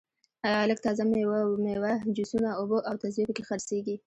لږه تازه میوه جوسونه اوبه او تسبې په کې خرڅېږي.